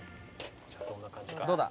「どうだ？」